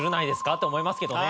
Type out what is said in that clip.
って思いますけどね。